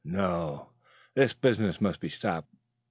No, this business must be stopped.